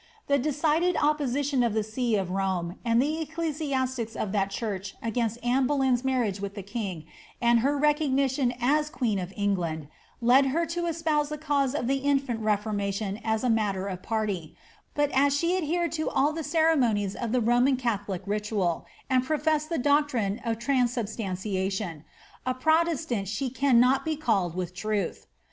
The decided opposition of the see of Rome and the ecclesiastics of that church against Ann# Boleyn's marriage with the king, and her recognition as queen of E4gland, lea her to espouse the cause of the infant Reformation as a matter of puty*, but as she adhered to all the ceremonies of the Roman Catholic ritual, and professed the doctrine of transubstantiation, a Protestant she cannot be called with truth.